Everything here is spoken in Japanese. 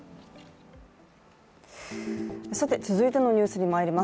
続いてのニュースにまいります。